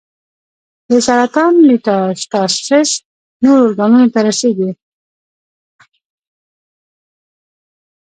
د سرطان میټاسټاسس نورو ارګانونو ته رسېږي.